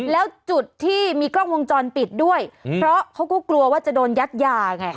แล้วจุดที่มีกล้องวงจรปิดด้วยเพราะเขาก็กลัวว่าจะโดนยัดยาไง